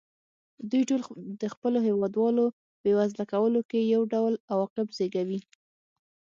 دوی ټول د خپلو هېوادوالو بېوزله کولو کې یو ډول عواقب زېږوي.